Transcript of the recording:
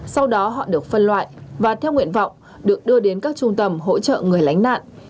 sau đó họ được phân loại và theo nguyện vọng được đưa đến các trung tâm hỗ trợ người lánh nạn